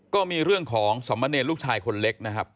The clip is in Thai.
ก็มีเรื่องของสมเนรลูกชายคนเล็กนะครับ